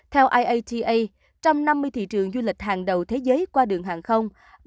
theo iata trong năm mươi thị trường du lịch hàng đầu thế giới qua đường hàng không